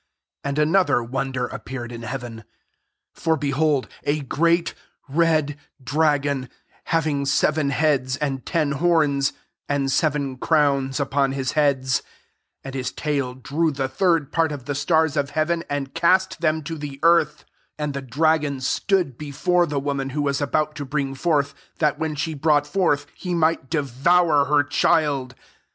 3 And another won der appeared in heaven ; for, behold, a great red dragon, hav ing seven heads and ten horns, «nd seven crowns upon his heads. 4 And his tail drew the third part of the stars of hea ven, and cast them to the earth. And the dragon stood before the woman who was about to bring forth, that, when she brought forth, he might devour her child.